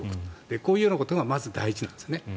こういうことがまず大事なんですね。